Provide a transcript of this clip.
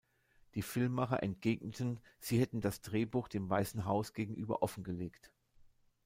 Die Filmmacher entgegneten, sie hätten das Drehbuch dem „Weißen Haus“ gegenüber offengelegt.